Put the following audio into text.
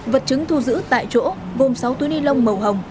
vật chứng thu giữ tại chỗ gồm sáu túi ni lông màu hồng